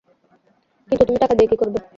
কিন্তু, তুমি টাকা দিয়ে কি করবে?